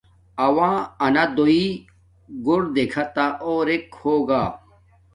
اوݳ نݳ دݸئی ہݸئی گݸر دݵکھتݳ اݸرݵک ہݸگݳ.